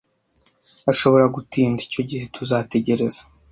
Ashobora gutinda, icyo gihe tuzategereza.